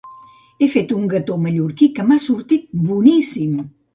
He fet un gató mallorquí que m'ha sortit boníssim!